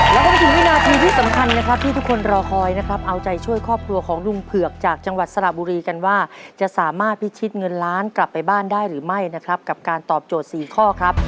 แล้วก็มาถึงวินาทีที่สำคัญนะครับที่ทุกคนรอคอยนะครับเอาใจช่วยครอบครัวของลุงเผือกจากจังหวัดสระบุรีกันว่าจะสามารถพิชิตเงินล้านกลับไปบ้านได้หรือไม่นะครับกับการตอบโจทย์๔ข้อครับ